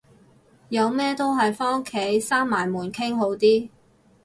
有咩都係返屋企閂埋門傾好啲